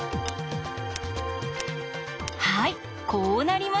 はいこうなりました。